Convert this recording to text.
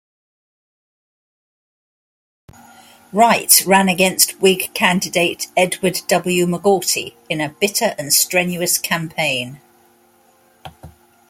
Wright ran against Whig candidate Edward W. McGaughty, in a "bitter and strenuous" campaign.